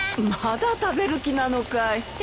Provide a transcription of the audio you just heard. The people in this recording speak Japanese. まだ食べる気なのかい。